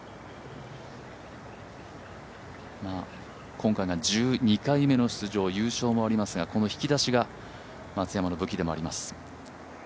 今回が１２回目の出場、優勝もありますがこの引き出しが松山の武器でもあります。